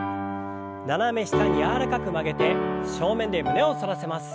斜め下に柔らかく曲げて正面で胸を反らせます。